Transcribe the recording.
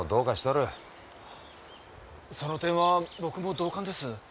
その点は僕も同感です。